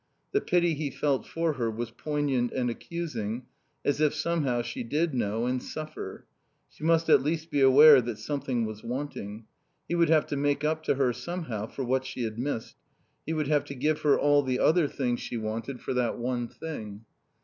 The pity he felt for her was poignant and accusing, as if somehow she did know and suffer. She must at least be aware that something was wanting. He would have to make up to her somehow for what she had missed; he would have to give her all the other things she wanted for that one thing.